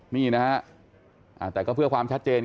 นี่นะฮะแต่ก็เพื่อความชัดเจน